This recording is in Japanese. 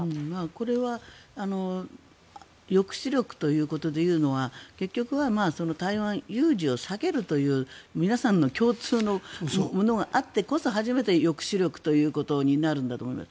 これは抑止力ということで言うのは結局は台湾有事を避けるという皆さんの共通のものがあってこそ初めて抑止力ということになるんだと思います。